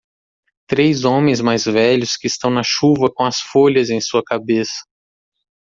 Três homens mais velhos que estão na chuva com as folhas em sua cabeça.